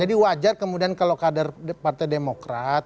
jadi wajar kemudian kalau kader partai demokrat